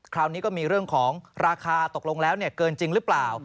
คราวนี้ก็มีเรื่องของราคาตกลงแล้วเกินจริงหรือเปล่า